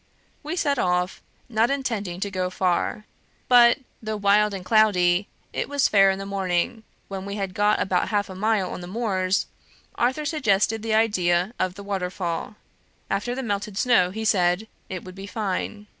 We set off, not intending to go far; but, though wild and cloudy, it was fair in the morning; when we had got about half a mile on the moors, Arthur suggested the idea of the waterfall; after the melted snow, he said, it would be fine.